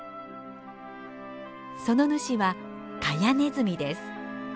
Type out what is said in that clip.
その主はカヤネズミです。